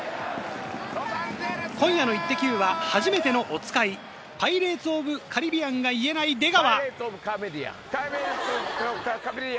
今夜の『イッテＱ！』は「はじめてのおつかい」、「パイレーツ・オブ・カリビアン」が言えない出川。